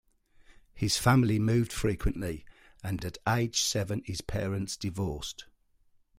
His family moved frequently, and at age seven his parents divorced.